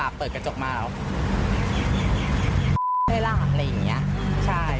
แล้วก็แยกย้ายกันไปเธอก็เลยมาแจ้งความ